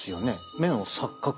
目の錯覚。